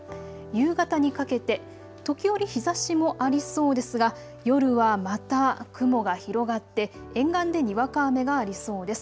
夕方にかけて時折、日ざしもありそうですが、夜はまた雲が広がって沿岸でにわか雨がありそうです。